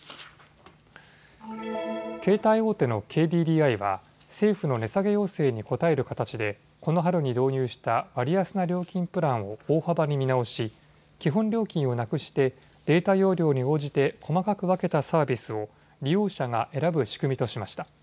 携帯大手のＫＤＤＩは政府の値下げ要請に応える形でこの春に導入した割安な料金プランを大幅に見直し基本料金をなくしてデータ容量に応じて細かく分けたサービスを利用者が選ぶ仕組みとしました。